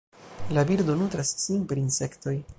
La birdo nutras sin per insektoj.